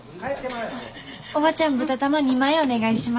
おばちゃん豚玉２枚お願いします。